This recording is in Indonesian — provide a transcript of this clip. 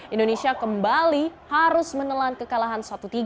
indonesia kembali harus menelan kekalahan satu tiga